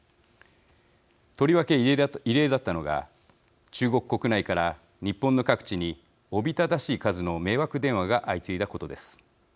とりわけ異例だったのが中国国内から日本の各地におびただしい数の迷惑電話が相次いだことです。